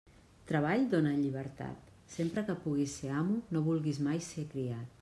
Treball dóna llibertat; sempre que puguis ser amo, no vulguis mai ser criat.